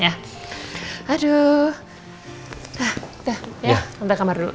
nah udah ya tante kamar dulu